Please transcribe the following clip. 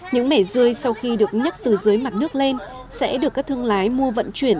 những mẻ rươi sau khi được nhắc từ dưới mặt nước lên sẽ được các thương lái mua vận chuyển